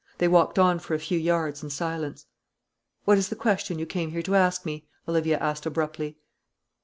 They walked on for a few yards in silence. "What is the question you came here to ask me?" Olivia asked abruptly.